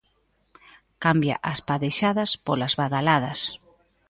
Cambia as padexadas polas badaladas.